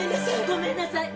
ごめんなさい！